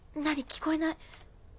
聞こえない。